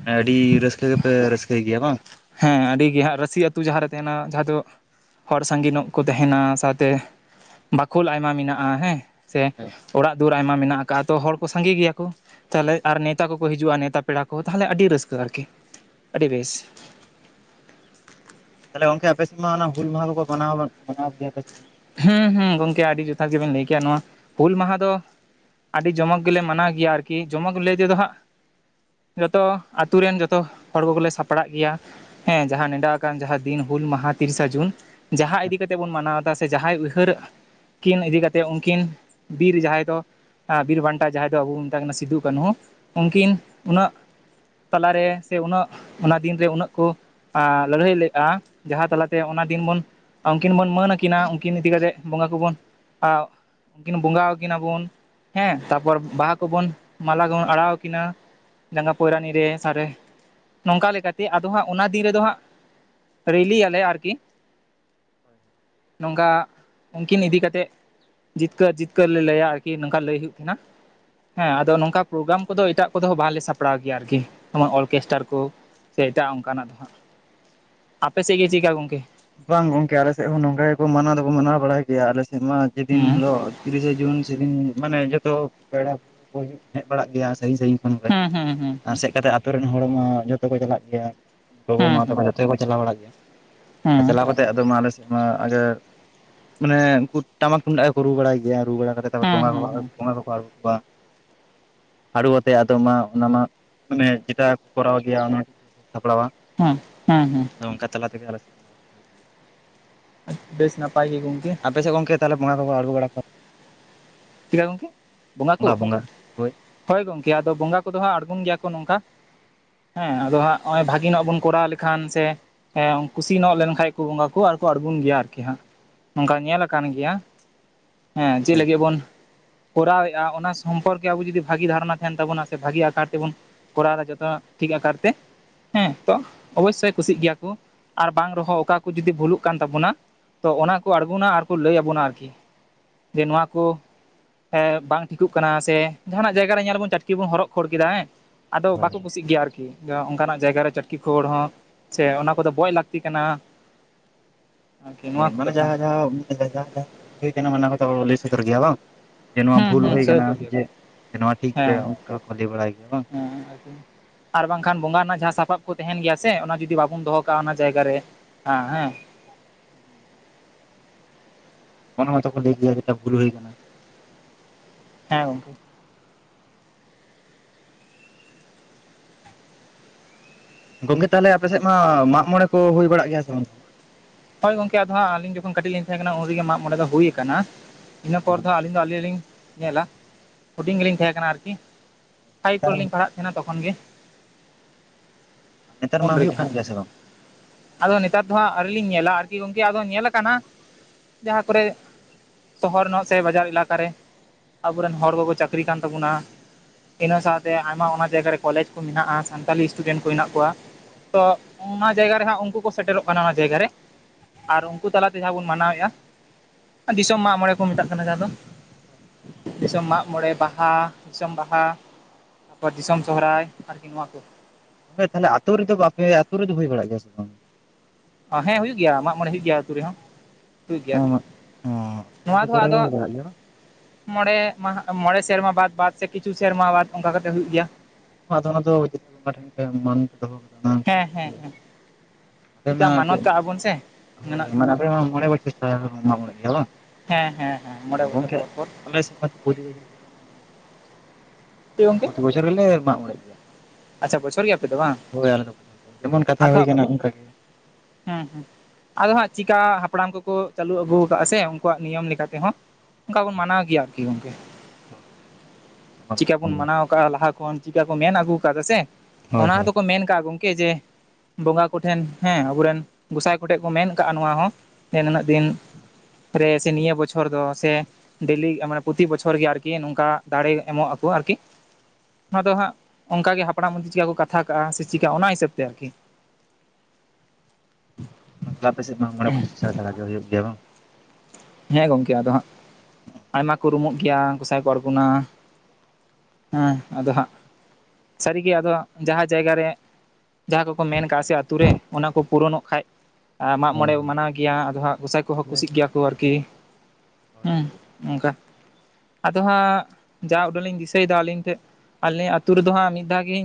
ᱱᱮ ᱟᱹᱰᱤ ᱨᱟᱹᱥᱠᱟᱹ ᱜᱮᱯᱮ ᱨᱟᱹᱥᱠᱟᱹᱭ ᱜᱮᱭᱟ ᱵᱟᱝ? ᱦᱮᱸ ᱟᱹᱰᱤ ᱜᱮ ᱦᱟᱸᱜ ᱨᱟᱥᱤ ᱟᱹᱛᱩ ᱡᱟᱦᱟᱸ ᱨᱮ ᱛᱟᱦᱮᱱᱟ ᱡᱟᱦᱟᱸ ᱫᱚ ᱦᱚᱲ ᱥᱟᱸᱜᱮ ᱱᱚᱜ ᱠᱚ ᱛᱟᱦᱮᱱᱟ ᱥᱟᱶᱛᱮ ᱵᱟᱠᱷᱳᱞ ᱟᱭᱢᱟ ᱢᱮᱱᱟᱜ-ᱟ ᱦᱮᱸ ᱥᱮ ᱚᱲᱟᱜ ᱫᱩᱣᱟᱹᱨ ᱟᱭᱢᱟ ᱢᱮᱱᱟᱜ ᱠᱟᱜ-ᱟ ᱛᱚ ᱦᱚᱲ ᱠᱩ ᱥᱟᱸᱜᱤ ᱜᱮᱭᱟ ᱠᱩ᱾ ᱛᱟᱦᱞᱮ ᱟᱨ ᱱᱮᱣᱛᱟ ᱠᱚ ᱠᱚ ᱦᱤᱡᱩᱜ-ᱟ ᱱᱮᱣᱛᱟ ᱯᱮᱲᱟ ᱠᱚ ᱛᱟᱦᱞᱮ ᱟᱰᱤ ᱨᱟᱹᱥᱠᱟᱹ ᱟᱨᱠᱤ ᱟᱰᱤ ᱵᱮᱥ᱾ ᱛᱟᱦᱞᱮ ᱜᱚᱝᱠᱮ ᱟᱯᱮᱥᱮᱫ ᱢᱟ ᱚᱱᱟ ᱦᱩᱞ ᱢᱟᱦᱟ ᱠᱚ ᱠᱚ ᱢᱟᱱᱟᱣ ᱢᱟᱱᱟᱣ ᱜᱮᱭᱟ ᱯᱮ ᱥᱮ ᱵᱟᱝ ᱦᱮᱸ ᱦᱩᱸ ᱜᱚᱝᱠᱮ ᱟᱰᱤ ᱡᱚᱛᱷᱟᱛ ᱜᱮᱵᱮᱱ ᱞᱟᱹᱭ ᱠᱮᱜ-ᱟ ᱱᱚᱣᱟ ᱦᱩᱞ ᱢᱟᱦᱟ ᱫᱚ ᱟᱰᱤ ᱡᱚᱢᱚᱠ ᱜᱮᱞᱮ ᱢᱟᱱᱟᱣ ᱜᱮᱭᱟ ᱟᱨᱠᱤ ᱡᱚᱢᱚᱠ ᱞᱟᱹᱭ ᱛᱮᱫᱚ ᱦᱟᱸᱜ ᱡᱚᱛᱚ ᱟᱛᱩ ᱨᱮᱱ ᱡᱚᱛᱚ ᱦᱚᱲ ᱠᱚ ᱜᱮᱞᱮ ᱥᱟᱯᱲᱟᱜ ᱜᱮᱭᱟ᱾ ᱦᱮᱸ ᱡᱟᱦᱟᱸ ᱱᱮᱰᱟ ᱟᱠᱟᱱ ᱡᱟᱦᱟᱸ ᱫᱤᱱ ᱦᱩᱞ ᱢᱟᱦᱟ ᱛᱤᱨᱤᱥᱟ ᱡᱩᱱ ᱦᱳᱭ ᱡᱟᱦᱟᱸ ᱤᱫᱤ ᱠᱟᱛᱮ ᱵᱚᱱ ᱢᱟᱱᱟᱣ ᱫᱟ ᱡᱟᱦᱟᱸᱭ ᱩᱭᱦᱟᱹᱨ ᱠᱤᱱ ᱤᱫᱤ ᱠᱟᱛᱮ ᱩᱱᱠᱤᱱ ᱵᱤᱨ ᱡᱟᱦᱟᱸᱭ ᱫᱚ ᱟᱸ ᱵᱤᱨ ᱵᱟᱱᱴᱟ ᱡᱟᱦᱟᱸᱭ ᱫᱚ ᱟᱵᱚ ᱵᱩᱱ ᱢᱮᱛᱟ ᱠᱤᱱᱟ ᱥᱤᱫᱩ ᱠᱟᱹᱱᱦᱩ ᱩᱱᱠᱤᱱ ᱩᱱᱟᱹᱜ ᱛᱟᱞᱟᱨᱮ ᱥᱮ ᱩᱱᱟᱹᱜ ᱚᱱᱟ ᱫᱤᱱ ᱨᱮ ᱩᱱᱟᱹᱜ ᱠᱩ ᱟᱸ ᱞᱟᱹᱲᱦᱟᱹᱭ ᱞᱮᱜ-ᱟ ᱡᱟᱦᱟᱸ ᱛᱟᱞᱟᱛᱮ ᱚᱱᱟ ᱫᱤᱱ ᱵᱚᱱ ᱩᱱᱠᱤᱱ ᱵᱚᱱ ᱢᱟᱹᱱ᱾ ᱠᱤᱱᱟ ᱩᱱᱠᱤᱱ ᱤᱫᱤ ᱠᱟᱛᱮᱜ ᱵᱚᱸᱜᱟ ᱠᱚᱵᱚᱱ ᱟᱣ ᱩᱱᱠᱤᱱ ᱵᱚᱸᱜᱟᱣ ᱠᱤᱱᱟ ᱵᱚᱱ ᱦᱮᱸ ᱛᱟᱯᱚᱨ ᱵᱟᱦᱟ ᱠᱚᱵᱚᱱ ᱢᱟᱞᱟ ᱜᱮᱵᱚᱱ ᱟᱨᱟᱣ ᱠᱤᱱᱟ᱾ ᱡᱟᱸᱜᱟ ᱯᱚᱭᱨᱟᱱᱤ ᱨᱮ ᱥᱟᱨᱮ, ᱱᱚᱝᱠᱟ ᱞᱮᱠᱟᱛᱮ ᱟᱫᱚ ᱦᱟᱸᱜ ᱚᱱᱟ ᱫᱤᱱ ᱨᱮᱫᱚ ᱦᱟᱸᱜ ᱨᱮᱞᱤ ᱭᱟᱞᱮ ᱟᱨᱠᱤ᱾ ᱦᱳᱭ ᱦᱳᱭ᱾ ᱱᱚᱝᱠᱟ ᱩᱱᱠᱤᱱ ᱤᱫᱤ ᱠᱟᱛᱮᱫ ᱡᱤᱛᱠᱟᱹᱨ ᱡᱤᱛᱠᱟᱹᱨ ᱞᱮ ᱞᱟᱹᱭᱟ ᱟᱨᱠᱤ ᱱᱚᱝᱠᱟ ᱞᱟᱹᱭ ᱦᱩᱭᱩᱜ ᱛᱟᱦᱮᱱᱟ᱾ ᱦᱮᱸ ᱟᱫᱚ ᱱᱚᱝᱠᱟ ᱯᱨᱳᱜᱨᱟᱢ ᱠᱚ ᱫᱚ ᱮᱴᱟᱜ ᱠᱚᱫᱚ ᱵᱟᱞᱮ ᱥᱟᱯᱲᱟᱣ ᱜᱮᱭᱟ ᱟᱨᱠᱤ ᱡᱮᱢᱚᱱ ᱚᱨᱜᱮᱥᱴᱟᱨ ᱠᱚ᱾ ᱥᱮ ᱮᱴᱟᱜ ᱚᱱᱠᱟᱱᱟᱜ ᱟᱫᱚ ᱦᱟᱸᱜ᱾ ᱟᱯᱮ ᱥᱮᱫ ᱜᱮ ᱪᱮᱜ ᱠᱟ ᱜᱚᱝᱠᱮ? ᱵᱟᱝ ᱜᱚᱝᱠᱮ ᱟᱞᱮᱥᱮᱫ ᱦᱚᱸ ᱱᱚᱝᱠᱟ ᱜᱮᱠᱚ ᱢᱟᱱᱟᱣ ᱫᱚᱠᱚ ᱢᱟᱱᱟᱣ ᱵᱟᱲᱟᱭ ᱜᱮᱭᱟ ᱟᱞᱮ ᱥᱮᱫ ᱢᱟ ᱡᱮᱫᱤᱱ ᱦᱩᱸ ᱦᱤᱞᱳᱜ ᱛᱤᱨᱤᱥᱮ ᱡᱩᱱ ᱥᱮᱫᱤᱱ ᱢᱟᱱᱮ ᱡᱚᱛᱚ ᱯᱮᱲᱟ ᱠᱚ ᱦᱤᱡᱩᱜ ᱦᱮᱡ ᱵᱟᱲᱟᱜ ᱜᱮᱭᱟ ᱥᱟᱺᱜᱤᱧ ᱥᱟᱺᱜᱤᱧ ᱠᱷᱚᱱ ᱜᱮ ᱦᱩᱸ ᱦᱩᱸ ᱟᱨ ᱦᱩᱸ ᱥᱮᱫ ᱠᱟᱛᱮᱜ ᱟᱛᱳ ᱨᱮᱱ ᱦᱚᱲ ᱦᱚᱸ ᱡᱷᱚᱛᱚ ᱠᱚ ᱪᱟᱞᱟᱜ ᱜᱮᱭᱟ᱾ ᱦᱩᱸ ᱜᱚᱜᱚ ᱦᱩᱸ ᱦᱩᱸ ᱢᱟ ᱛᱟᱠᱚ ᱡᱚᱛᱚ ᱜᱮᱠᱚ ᱪᱟᱞᱟᱣ ᱵᱟᱲᱟᱜ ᱜᱮᱭᱟ ᱟᱨ ᱦᱩᱸ ᱪᱟᱞᱟᱣ ᱠᱟ ᱟᱫᱚ ᱢᱟ ᱟᱞᱮ ᱥᱮᱫ ᱢᱟ ᱟᱜᱮ ᱢᱟᱱᱮ ᱩᱱᱠᱩ ᱴᱟᱢᱟᱠ ᱴᱩᱢᱫᱟᱜ ᱜᱮ ᱠᱚ ᱨᱩ ᱵᱟᱲᱟᱭ ᱜᱮᱭᱟ ᱨᱩ ᱵᱟᱲᱟ ᱠᱟᱛᱮᱫ ᱛᱟᱨᱯᱚᱨ ᱦᱩᱸ ᱦᱩᱸ ᱵᱚᱸᱜᱟ ᱠᱚ ᱵᱚᱸᱜᱟ ᱠᱚᱠᱚ ᱟᱬᱜᱚ ᱠᱚᱣᱟ᱾ ᱦᱟᱲᱩᱵ ᱟᱛᱮᱜ ᱟᱫᱚ ᱢᱟ ᱚᱱᱟ ᱢᱟ ᱢᱟᱱᱮ ᱡᱮᱴᱟ ᱠᱚᱨᱟᱣ ᱜᱮᱭᱟ ᱚᱱᱟ ᱥᱟᱯᱲᱟᱣᱟ᱾ ᱦᱩᱸ [inaudible] ᱦᱩᱸ ᱦᱩᱸ᱾ ᱟᱫᱚ ᱚᱱᱠᱟ ᱛᱟᱞᱟ ᱛᱮᱜᱮ ᱟᱞᱮ ᱥᱮᱫ ᱢᱟ ᱦᱩᱭᱩᱜ ᱜᱮᱭᱟ᱾ ᱵᱮᱥ ᱱᱟᱯᱟᱭ ᱜᱮ ᱜᱚᱝᱠᱮ ᱾ ᱟᱯᱮᱥᱮᱫ ᱜᱚᱝᱠᱮ ᱛᱟᱦᱚᱞᱮ ᱵᱚᱸᱜᱟ ᱠᱚᱠᱚ ᱟᱬᱜᱚ ᱵᱟᱲᱟ ᱠᱚᱣᱟ ᱪᱮᱫ ᱠᱟ ᱜᱚᱝᱠᱮ, ᱵᱚᱸᱜᱟ ᱠᱚ, ᱦᱳᱭ ᱜᱚᱝᱠᱮ ᱟᱫᱚ ᱵᱚᱸᱜᱟ ᱠᱚᱫᱚ ᱦᱟᱸᱜ ᱟᱬᱜᱚᱱ ᱜᱮᱭᱟ ᱠᱚ ᱱᱚᱝᱠᱟ ᱦᱮᱸ ᱟᱫᱚ ᱦᱟᱸᱜ ᱦᱚᱸᱜ-ᱚᱭ ᱵᱷᱟᱜᱤ ᱱᱚᱜ ᱵᱚᱱ ᱠᱚᱨᱟᱣ ᱞᱮᱠᱷᱟᱱ ᱥᱮ ᱦᱮᱸ ᱠᱩᱥᱤ ᱱᱚᱜ ᱞᱮᱱᱠᱷᱟᱡ ᱠᱚ ᱵᱚᱸᱜᱟ ᱠᱚ ᱟᱨ ᱠᱚ ᱟᱬᱜᱩᱱ ᱜᱮᱭᱟ ᱟᱨᱠᱤ ᱦᱟᱸᱜ᱾ ᱱᱚᱝᱠᱟ ᱧᱮᱞ ᱠᱟᱱ ᱜᱮᱭᱟ [inaudible] ᱦᱮᱸ ᱪᱮᱫ ᱞᱟᱹᱜᱤᱫ ᱵᱚᱱ ᱠᱚᱨᱟᱣ ᱮᱼᱟ ᱚᱱᱟ ᱥᱚᱢᱯᱚᱨᱠᱮ ᱟᱵᱚ ᱡᱚᱫᱤ ᱵᱷᱟᱜᱤ ᱫᱷᱟᱨᱚᱱᱟ ᱛᱟᱦᱮᱸᱱ ᱛᱟᱵᱚᱱᱟ ᱥᱮ ᱵᱷᱟᱜᱤ ᱟᱠᱟᱨ ᱛᱮᱵᱚᱱ ᱠᱚᱨᱟᱣ ᱡᱚᱛᱚ ᱡᱚᱛᱚ ᱴᱷᱤᱠ ᱟᱠᱟᱨ ᱛᱮ ᱦᱮᱸ ᱛᱚ ᱚᱵᱚᱥᱥᱳᱭ ᱠᱩᱥᱤᱜ ᱜᱮᱭᱟ ᱠᱚ ᱟᱨ ᱵᱟᱝ ᱨᱮᱦᱚᱸ ᱚᱠᱟ ᱠᱚ ᱡᱩᱫᱤ ᱵᱷᱩᱞᱩᱜ ᱠᱟᱱ ᱛᱟᱵᱚᱱᱟ, ᱛᱚ ᱚᱱᱟᱠᱚ ᱟᱬᱜᱩᱱᱟ ᱟᱨᱠᱚ ᱞᱟᱹᱭ ᱟᱵᱚᱱᱟ ᱟᱨᱠᱤ ᱡᱮ ᱱᱚᱣᱟ ᱠᱚ ᱦᱮᱸ ᱵᱟᱝ ᱴᱷᱤᱠᱚᱜ ᱠᱟᱱᱟ ᱥᱮ ᱡᱟᱦᱟᱱᱟᱜ ᱡᱟᱭᱜᱟ ᱨᱮ ᱧᱮᱞᱟ ᱵᱚᱱ ᱪᱟᱴᱠᱤ ᱵᱚᱱ ᱦᱚᱨᱚᱜ ᱠᱷᱳᱲ ᱠᱮᱫᱟ ᱦᱮᱸ ᱟᱫᱚ ᱵᱟᱠᱚ ᱠᱩᱥᱤᱜ ᱜᱮᱭᱟ ᱟᱨᱠᱤ᱾ ᱟᱨᱠᱤ ᱚᱱᱠᱟᱱᱟᱜ ᱡᱟᱭᱜᱟ ᱨᱮ ᱪᱟᱴᱠᱤ ᱠᱷᱟᱹᱲ ᱦᱚᱸ ᱥᱮ ᱚᱱᱟ ᱠᱚᱫᱚ ᱵᱚᱡ ᱞᱟᱹᱠᱛᱤ ᱠᱟᱱᱟ᱾ ᱟᱨᱠᱤ ᱦᱚᱸ ᱱᱚᱣᱟ ᱠᱚ ᱢᱟᱱᱮ ᱠᱟᱛᱷᱟ ᱡᱟᱦᱟᱸ ᱡᱟᱦᱟᱸ ᱵᱷᱩᱞ ᱦᱩᱭ ᱠᱟᱱᱟ ᱚᱱᱟ ᱠᱚᱠᱚ ᱞᱟᱹᱭ ᱥᱚᱫᱚᱨ ᱜᱮᱭᱟ ᱵᱟᱝ? ᱡᱮ ᱱᱚᱣᱟ ᱦᱮᱸ ᱵᱷᱩᱞ ᱦᱮᱸ ᱦᱩᱭ ᱥᱟᱹᱨᱤ ᱠᱟᱱᱟ ᱩᱛᱟᱹᱨ ᱜᱮ ᱡᱮ ᱱᱚᱣᱟ ᱴᱷᱤᱠ ᱯᱮ ᱦᱮᱸ ᱚᱱᱠᱟ ᱠᱟ ᱞᱟᱹᱭ ᱵᱟᱲᱟᱭ ᱜᱮᱭᱟ ᱵᱟᱝ᱾ ᱦᱮᱸ ᱟᱨᱠᱤ ᱟᱨ ᱵᱟᱝᱠᱷᱟᱱ ᱵᱚᱸᱜᱟ ᱨᱮᱱᱟᱜ ᱡᱟᱦᱟᱸ ᱥᱟᱯᱟᱵ ᱠᱚ ᱛᱟᱦᱮᱸᱱ ᱜᱮᱭᱟ ᱥᱮ ᱚᱱᱟ ᱡᱩᱫᱤ ᱵᱟᱵᱚᱱ ᱫᱚᱦᱚ ᱠᱟᱜᱼᱟ ᱚᱱᱟ ᱡᱟᱭᱜᱟ ᱨᱮ ᱦᱮᱸ, ᱚᱱᱟ ᱦᱚᱸᱛᱚ ᱠᱚ ᱞᱟᱹᱭ ᱜᱮᱭᱟ ᱡᱮᱴᱟ ᱵᱷᱩᱞ ᱦᱩᱭ ᱠᱟᱱᱟ᱾ ᱦᱮᱸ ᱜᱚᱝᱠᱮ᱾ ᱜᱚᱝᱠᱮ ᱛᱟᱦᱚᱞᱮ ᱟᱯᱮᱥᱮᱫ ᱢᱟ ᱢᱟᱜ ᱢᱚᱬᱮ ᱠᱚ ᱦᱩᱭ ᱵᱟᱲᱟᱜ ᱜᱮᱭᱟ ᱥᱮ ᱵᱟᱝ? ᱦᱳᱭ ᱜᱚᱝᱠᱮ ᱟᱫᱚ ᱦᱟᱸᱜ ᱟᱹᱞᱤᱧ ᱡᱚᱠᱷᱚᱱ ᱠᱟᱹᱴᱤᱡ ᱞᱤᱧ ᱛᱟᱦᱮᱸ ᱠᱟᱱᱟ ᱩᱱ ᱨᱮᱜᱮ ᱢᱟᱜ ᱢᱚᱬᱮ ᱫᱚ ᱦᱩᱭ ᱠᱟᱱᱟ᱾ ᱤᱱᱟᱹ ᱯᱚᱨ ᱫᱚ ᱟᱹᱞᱤᱧ ᱫᱚ ᱟᱹᱞᱤᱧ ᱞᱤᱧ ᱧᱮᱞᱟ ᱦᱩᱰᱤᱧ ᱜᱮᱞᱤᱧ ᱛᱟᱦᱮᱸ ᱠᱟᱱᱟ ᱟᱨᱠᱤ, ᱯᱷᱟᱭᱤᱵᱷ ᱱᱮᱛᱟᱨ ᱠᱚᱨᱮᱞᱤᱧ ᱯᱟᱲᱟᱜ ᱛᱟᱦᱮᱸᱱᱟ ᱛᱚᱠᱷᱚᱱ ᱜᱮ᱾ ᱱᱮᱛᱟᱨ ᱢᱟ ᱩᱱ ᱨᱮᱜᱮ ᱦᱩᱭᱩᱜ ᱠᱟᱱ ᱦᱟᱸᱜ ᱜᱮᱭᱟ ᱥᱮ ᱵᱟᱝ [inaudible] ᱟᱫᱚ ᱱᱮᱛᱟᱨ ᱫᱚ ᱦᱟᱸᱜ ᱟᱹᱣᱨᱤ ᱞᱤᱧ ᱧᱮᱞᱟ ᱟᱨᱠᱤ ᱜᱚᱝᱠᱮ ᱟᱫᱚ ᱧᱮᱞᱟ ᱠᱟᱱᱟ, ᱡᱟᱦᱟᱸ ᱠᱚᱨᱮ ᱥᱚᱦᱚᱨ ᱱᱚᱜ ᱥᱮ ᱵᱟᱡᱟᱨ ᱮᱞᱟᱠᱟᱨᱮ ᱟᱵᱚᱨᱮᱱ ᱦᱚᱲ ᱠᱚᱠᱚ ᱪᱟᱹᱠᱨᱤ ᱠᱟᱱ ᱛᱟᱵᱚᱱᱟ, ᱤᱱᱟᱹ ᱥᱟᱶᱛᱮ ᱟᱭᱢᱟ ᱚᱱᱟ ᱡᱟᱭᱜᱟ ᱨᱮ ᱠᱚᱞᱮᱡᱽ ᱠᱚ ᱢᱮᱱᱟᱜᱼᱟ, ᱥᱟᱱᱛᱟᱞᱤ ᱥᱴᱩᱰᱮᱱᱴ ᱠᱚ ᱦᱮᱱᱟᱜ ᱠᱚᱣᱟ᱾ ᱛᱚ ᱚᱱᱟ ᱡᱟᱭᱜᱟ ᱨᱮ ᱦᱟᱸᱜ ᱩᱱᱠᱩ ᱠᱚ ᱥᱮᱴᱮᱨᱚᱜ ᱠᱟᱱᱟ ᱚᱱᱟ ᱡᱟᱭᱜᱟ ᱨᱮ, ᱟᱨ ᱩᱱᱠᱩ ᱛᱟᱞᱟᱛᱮ ᱡᱟᱦᱟᱸ ᱵᱚᱱ ᱢᱟᱱᱟᱣᱮᱫᱼᱟ ᱫᱤᱥᱚᱢ ᱢᱟᱜ ᱢᱚᱬᱮ ᱠᱚ ᱢᱮᱛᱟᱜ ᱠᱟᱱᱟ ᱡᱟᱦᱟᱸ ᱫᱚ, ᱫᱤᱥᱚᱢ ᱢᱟᱜ ᱢᱚᱬᱮ, ᱵᱟᱦᱟ, ᱫᱤᱥᱚᱢ ᱵᱟᱦᱟ᱾ ᱟᱵᱚᱣᱟᱜ ᱫᱤᱥᱚᱢ ᱥᱚᱦᱨᱟᱭ ᱟᱨᱠᱤ ᱱᱚᱣᱟ ᱠᱚ᱾ ᱜᱚᱝᱠᱮ ᱛᱟᱦᱚᱞᱮ ᱟᱹᱛᱩ ᱨᱮᱫᱚ ᱵᱟᱯᱮ ᱟᱹᱛᱩ ᱨᱮᱫᱚ ᱦᱩᱭ ᱵᱟᱲᱟᱜ ᱜᱮᱭᱟ ᱥᱮ ᱵᱟᱝ? ᱦᱮᱸ ᱦᱩᱭᱩᱜ ᱜᱮᱭᱟ ᱢᱟᱜ ᱢᱚᱬᱮ ᱦᱩᱭᱩᱜ ᱜᱮᱭᱟ ᱟᱹᱛᱩ ᱨᱮᱦᱚᱸ᱾ ᱦᱩᱭᱩᱜ ᱜᱮᱭᱟ ᱟᱨᱠᱤ ᱱᱚᱣᱟ ᱛᱚᱵᱮ ᱫᱚ ᱦᱟᱸᱜ ᱠᱚᱨᱮ ᱦᱚᱸ ᱟᱫᱚ ᱦᱩᱭ ᱵᱟᱲᱟᱜ ᱜᱮᱭᱟ ᱢᱚᱬᱮ ᱢᱟᱦᱟ ᱢᱚᱬᱮ ᱥᱮᱨᱢᱟ ᱵᱟᱫ ᱵᱟᱫ ᱥᱮ ᱠᱤᱪᱷᱩ ᱥᱮᱨᱢᱟ ᱵᱟᱫ ᱚᱱᱠᱟ ᱠᱟᱛᱮᱫ ᱦᱩᱭᱩᱜ ᱜᱮᱭᱟ ᱾ ᱟᱫᱚ ᱚᱱᱟ ᱫᱚ [unintelligible] ᱢᱟᱹᱱ ᱯᱮ ᱫᱚᱦᱚ ᱠᱟᱫᱟ ᱚᱱᱟ ᱦᱤᱥᱟᱹᱵᱽ ᱦᱮᱸ ᱛᱮ ᱦᱮᱸ ᱦᱮᱸ ᱟᱯᱮ ᱪᱤᱠᱟ ᱢᱟ ᱢᱟᱱᱚᱛ ᱠᱟᱜᱼᱟ ᱵᱚᱱ ᱥᱮ ᱦᱳᱭ ᱢᱮᱱᱟᱜ ᱢᱟᱱᱮ ᱟᱯᱮ ᱢᱟ ᱢᱚᱬᱮ ᱵᱚᱪᱷᱚᱨ ᱪᱷᱟᱰᱟ ᱯᱮ ᱢᱟᱜ ᱢᱚᱬᱮᱜ ᱜᱮᱭᱟ ᱵᱟᱝ? ᱦᱮᱸ ᱦᱮᱸ ᱦᱮᱸ ᱢᱚᱬᱮ ᱵᱚᱪᱷᱚᱨ ᱜᱚᱝᱠᱮ ᱯᱚᱨ ᱯᱚᱨ ᱟᱞᱮ ᱥᱮᱫ ᱢᱟᱛᱚ ᱯᱨᱚᱛᱤ ᱵᱚᱪᱷᱚᱨ ᱚᱱᱟ ᱪᱮᱫ [unintelligible] ᱜᱚᱝᱠᱮ ᱯᱚᱛᱤ ᱵᱚᱪᱷᱚᱨ ᱜᱮᱞᱮ ᱢᱟᱜ ᱢᱚᱬᱮ ᱜᱮᱭᱟ ᱟᱪᱪᱷᱟ ᱵᱚᱪᱷᱚᱨ ᱜᱮ ᱟᱯᱮ ᱫᱚ ᱵᱟᱝ ᱾ ᱦᱳᱭ ᱟᱞᱮ ᱫᱚ ᱯᱨᱚᱛᱤ ᱵᱚᱪᱷᱚᱨ, ᱡᱮᱢᱚᱱ ᱠᱟᱛᱷᱟ ᱦᱩᱭ ᱠᱟᱱᱟ ᱚᱱᱠᱟ ᱜᱮ ᱾ ᱦᱩᱸ ᱦᱩᱸ ᱟᱫᱚ ᱦᱟᱸᱜ ᱪᱤᱠᱟ ᱦᱟᱯᱲᱟᱢ ᱠᱚᱠᱚ ᱪᱟᱹᱞᱩ ᱟᱹᱜᱩ ᱠᱟᱜ-ᱟ ᱥᱮ ᱩᱱᱠᱩᱣᱟᱜ ᱱᱤᱭᱚᱢ ᱞᱮᱠᱟ ᱛᱮᱦᱚᱸ ᱦᱳᱭ ᱚᱱᱠᱟ ᱵᱚᱱ ᱢᱟᱱᱟᱣ ᱜᱮᱭᱟ ᱟᱨᱠᱤ ᱜᱚᱝᱠᱮ ᱾ ᱪᱤᱠᱟ ᱵᱚᱱ ᱢᱟᱱᱟᱣ ᱚᱱᱠᱟ ᱞᱟᱦᱟ ᱠᱷᱚᱱ ᱪᱤᱠᱟ ᱠᱚ ᱢᱮᱱ ᱟᱹᱜᱩ ᱠᱟᱫᱟ ᱥᱮ ᱦᱳᱭ ᱦᱳᱭ ᱚᱱᱟ ᱦᱳᱭ ᱦᱚᱸᱛᱚ ᱠᱚ ᱢᱮᱱ ᱠᱟᱜᱼᱟ ᱜᱚᱝᱠᱮ ᱡᱮ ᱵᱚᱸᱜᱟ ᱠᱚᱴᱷᱮᱱ ᱦᱮᱸ ᱟᱵᱩᱨᱮᱱ ᱜᱚᱸᱥᱟᱭ ᱠᱚᱴᱷᱮᱱ ᱠᱚ ᱢᱮᱱ ᱠᱟᱜᱼᱟ ᱱᱚᱣᱟ ᱦᱚᱸ ᱡᱮ ᱱᱤᱱᱟᱹᱜ ᱫᱤᱱ ᱨᱮ, ᱥᱮ ᱱᱤᱭᱟᱹ ᱵᱚᱪᱷᱚᱨ ᱫᱚ ᱥᱮ ᱰᱮᱞᱤ ᱢᱟᱱᱮ ᱯᱨᱚᱛᱤ ᱵᱚᱪᱷᱚᱨ ᱜᱮ ᱟᱨᱠᱤ ᱱᱚᱝᱠᱟ ᱫᱟᱲᱮ ᱮᱢᱚᱜ ᱟᱠᱚ ᱟᱨᱠᱤ, ᱚᱱᱟ ᱫᱚ ᱦᱟᱸᱜ ᱚᱱᱠᱟ ᱜᱮ ᱦᱟᱯᱲᱟᱢ ᱟᱫᱤ ᱪᱤᱠᱟ ᱠᱚ ᱠᱟᱛᱷᱟ ᱠᱟᱜᱼᱟ ᱥᱮ ᱪᱤᱠᱟ ᱚᱱᱟ ᱦᱤᱥᱟᱹᱵ ᱛᱮ ᱟᱨᱠᱤ ᱾ ᱜᱚᱝᱠᱮ ᱟᱯᱮ ᱥᱮᱫ ᱫᱚ ᱦᱟᱸᱜ ᱢᱚᱬᱮ ᱵᱚᱪᱷᱚᱨ ᱪᱷᱟᱲᱟ ᱪᱷᱟᱲᱟ ᱜᱮ ᱦᱩᱭᱩᱜ ᱜᱮᱭᱟ ᱵᱟᱝ? ᱦᱮᱸ ᱜᱚᱝᱠᱮ ᱟᱫᱚ ᱦᱟᱸᱜ ᱟᱭᱢᱟ ᱠᱚ ᱨᱩᱢᱩᱜ ᱜᱮᱭᱟ ᱜᱚᱸᱥᱟᱭ ᱠᱚ ᱟᱬᱜᱚᱱᱟ ᱦᱮᱸ ᱟᱫᱚ ᱦᱟᱸᱜ ᱥᱟᱹᱨᱤ ᱜᱮ ᱟᱫᱚ ᱦᱟᱸᱜ ᱡᱟᱦᱟ ᱡᱟᱭᱜᱟ ᱨᱮ ᱡᱟᱦᱟᱸ ᱠᱚᱠᱚ ᱢᱮᱱ ᱠᱟᱜᱼᱟ ᱥᱮ ᱟᱛᱩ ᱨᱮ ᱚᱱᱟ ᱠᱚ ᱯᱩᱨᱚᱱᱚᱜ ᱠᱷᱟᱡ, ᱟᱸ ᱢᱟᱜ ᱦᱳᱭ ᱢᱚᱬᱮ ᱦᱳᱭ ᱢᱟᱱᱟᱣ ᱜᱮᱭᱟ ᱟᱫᱚ ᱦᱟᱸᱜ ᱜᱚᱸᱥᱟᱭ ᱠᱚᱦᱚᱸ ᱠᱩᱥᱤᱜ ᱜᱮᱭᱟ ᱠᱚ ᱟᱨᱠᱤ ᱦᱳᱭ ᱦᱩᱸ ᱦᱳᱭ ᱾ ᱚᱱᱠᱟ ᱟᱫᱚ ᱦᱟᱸᱜ ᱡᱟ ᱩᱰᱟᱹᱝ ᱞᱤᱧ ᱫᱤᱥᱟᱹᱭᱮᱫᱟ ᱟᱹᱞᱤᱧ ᱴᱷᱮᱡ ᱟᱹᱞᱤᱧ ᱟᱛᱩ ᱨᱮᱫᱚ ᱦᱟᱸᱜ ᱢᱤᱫ ᱫᱷᱟᱣ ᱜᱤᱧ